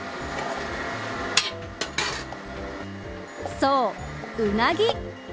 そう、うなぎ。